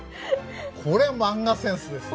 これマンガセンスですよ。